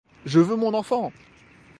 Je veux mon enfant!